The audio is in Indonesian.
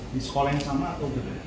di sekolah yang sama atau gimana